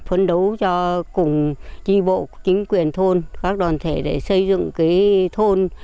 phấn đấu cho cùng chi bộ chính quyền thôn các đoàn thể để xây dựng thôn